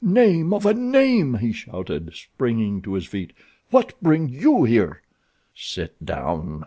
"Name of a name!" he shouted, springing to his feet, "What brings you here!" "Sit down!"